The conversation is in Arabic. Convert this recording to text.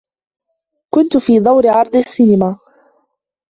كنت في دور عرض للسينما.